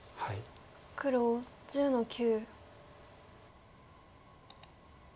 黒１０の九。